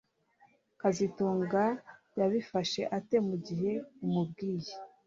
kazitunga yabifashe ate mugihe umubwiye